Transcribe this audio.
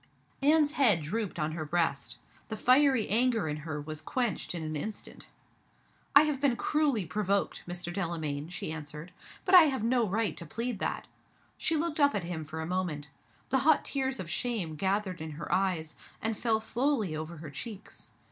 Anne's head drooped on her breast. The fiery anger in her was quenched in an instant. "I have been cruelly provoked, Mr. Delamayn," she answered. "But I have no right to plead that." She looked up at him for a moment. The hot tears of shame gathered in her eyes, and fell slowly over her cheeks.